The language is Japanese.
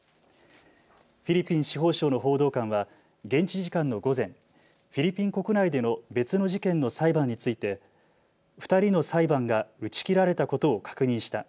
フィリピン司法省の報道官は現地時間の午前、フィリピン国内での別の事件の裁判について２人の裁判が打ち切られたことを確認した。